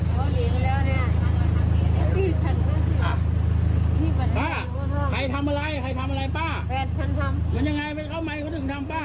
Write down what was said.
ไม่ใช่ใครเป็นคนทำป้า